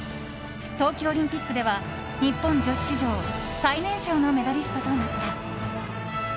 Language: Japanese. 冬季オリンピックでは日本女子史上最年少のメダリストとなった。